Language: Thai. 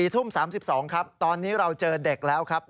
ทุ่ม๓๒ครับตอนนี้เราเจอเด็กแล้วครับ